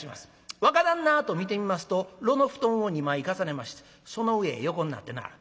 「若旦那！」と見てみますと絽の布団を２枚重ねましてその上へ横になってなはる。